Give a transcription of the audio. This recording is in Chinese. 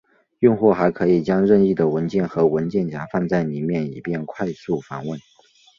用户还可以将任意的文件和文件夹放在里面以便快速访问。